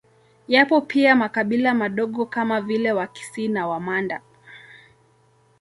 Yapo pia makabila madogo kama vile Wakisi na Wamanda